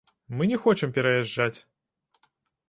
Мы не хочам пераязджаць.